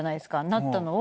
なったのを。